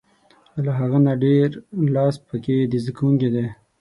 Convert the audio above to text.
له هغه نه ډېر لاس په کې د زده کوونکي دی.